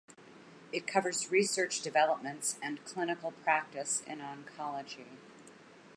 It covers research developments and clinical practice in oncology.